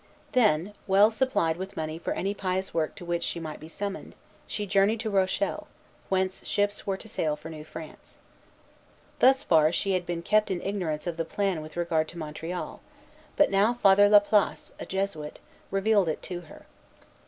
Then, well supplied with money for any pious work to which she might be summoned, she journeyed to Rochelle, whence ships were to sail for New France. Thus far she had been kept in ignorance of the plan with regard to Montreal; but now Father La Place, a Jesuit, revealed it to her.